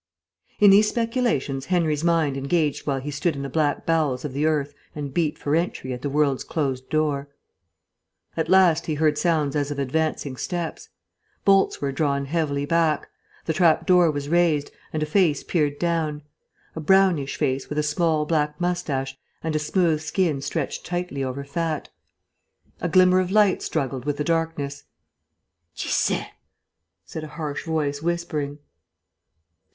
In these speculations Henry's mind engaged while he stood in the black bowels of the earth and beat for entry at the world's closed door. At last he heard sounds as of advancing steps. Bolts were drawn heavily back; the trap door was raised, and a face peered down; a brownish face with a small black moustache and a smooth skin stretched tightly over fat. A glimmer of light struggled with the darkness. "Chi c'è?" said a harsh voice, whispering.